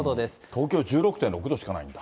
東京１６．６度しかないんだ。